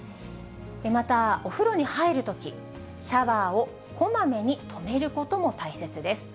また、お風呂に入るとき、シャワーをこまめに止めることも大切です。